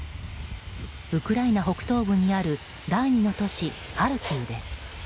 ウクライナ北東部にある第２の都市ハルキウです。